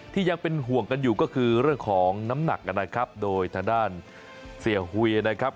ยังเป็นห่วงกันอยู่ก็คือเรื่องของน้ำหนักนะครับโดยทางด้านเสียหุยนะครับ